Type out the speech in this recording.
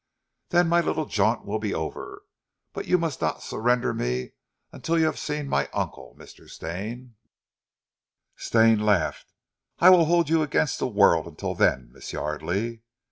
"Then my little jaunt will be over! But you must not surrender me until you have seen my uncle, Mr. Stane." Stane laughed. "I will hold you against the world until then, Miss Yardely."